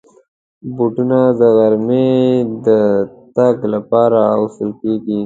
بوټونه د غرمې د تګ لپاره اغوستل کېږي.